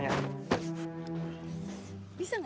bisa gak sih gak usah ganggu